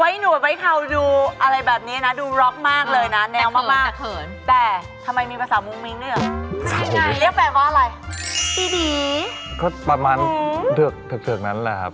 ไว้หนูดไว้เขาดูอะไรแบบนี้นะดูร็อกมากเลยนะแนวมาก